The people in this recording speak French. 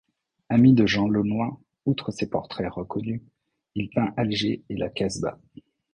Ami de Jean Launois, outre ses portraits reconnus, il peint Alger et la Kasbah.